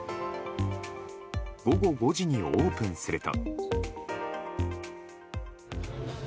午後５時にオープンすると。